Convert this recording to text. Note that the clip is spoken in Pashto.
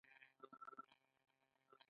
آیا د چرسو شرکتونه په بازار کې نشته؟